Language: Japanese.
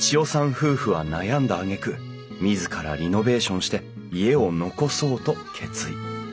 夫婦は悩んだあげく自らリノベーションして家を残そうと決意。